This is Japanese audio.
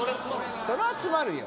それは詰まるよ。